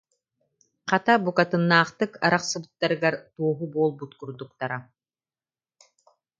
Хата, букатыннаахтык арахсыбыттарыгар туоһу буолбут курдуктара